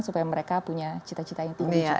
supaya mereka punya cita citanya tinggi juga